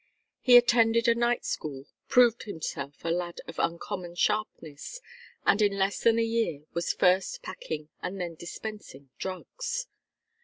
He attended a night school, proved himself a lad of uncommon sharpness, and in less than a year was first packing and then dispensing drugs.